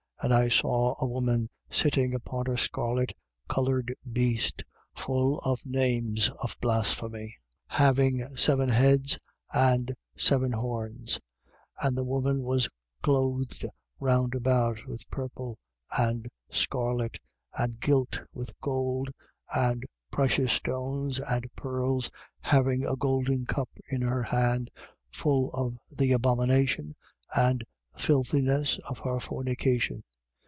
And I saw a woman sitting upon a scarlet coloured beast, full of names of blasphemy, having seven heads and ten horns. 17:4. And the woman was clothed round about with purple and scarlet, and gilt with gold and precious stones and pearls, having a golden cup in her hand, full of the abomination and filthiness of her fornication.